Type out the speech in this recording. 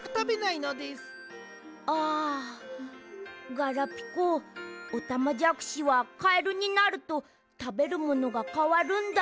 ガラピコオタマジャクシはカエルになるとたべるものがかわるんだ。